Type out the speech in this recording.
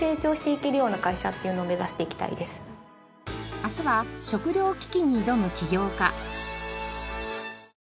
明日は食糧危機に挑む起業家。